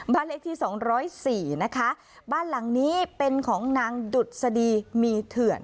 บ้านเลขที่สองร้อยสี่นะคะบ้านหลังนี้เป็นของนางดุษฎีมีเถื่อน